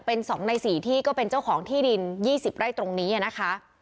เป็น๒ใน๔ที่ก็เป็นเจ้าของที่ดิน๒๐ไร่ตรงนี้นะคะ